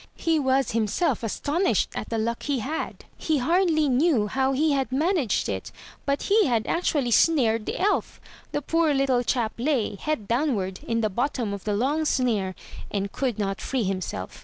He was him self astonished at the luck he had. He hardly knew how he had managed it — but he had actually snared the elf. The poor little chap lay, head downward, in the bottom of the long snare, and could not free himself.